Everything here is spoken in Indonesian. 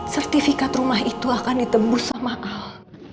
sertifikat rumah itu akan ditebus sama al